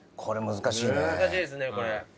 難しいですねこれ。